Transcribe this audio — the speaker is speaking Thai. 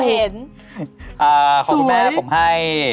ของคุณแม่ผมให้